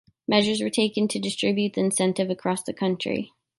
Measures were taken to distribute the incentive across the country.